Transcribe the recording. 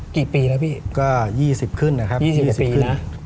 กี่ปีแล้วพี่ก็๒๐ขึ้นนะครับ๒๐กว่าปีนะ